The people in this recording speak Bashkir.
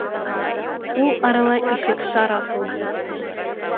Ул арала ишек шар асылды.